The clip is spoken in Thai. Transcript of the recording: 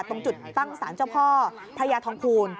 ตรงจุดตั้งสารเจ้าพ่อพญาทองภูล